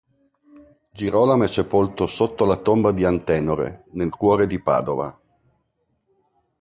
Girolamo è sepolto sotto la Tomba di Antenore, nel cuore di Padova.